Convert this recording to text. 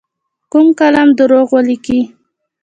کوږ قلم دروغ لیکي